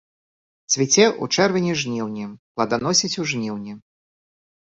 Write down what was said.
Цвіце ў чэрвені-жніўні, пладаносіць у жніўні.